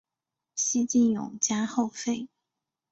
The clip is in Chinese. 西晋永嘉后废。